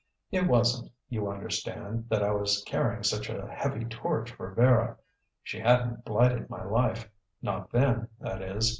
It wasn't, you understand, that I was carrying such a heavy torch for Vera. She hadn't blighted my life; not then, that is.